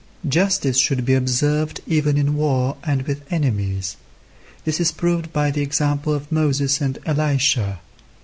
Justice should be observed even in war and with enemies. This is proved by the example of Moses and Elisha.